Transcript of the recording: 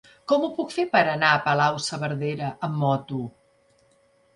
Com ho puc fer per anar a Palau-saverdera amb moto?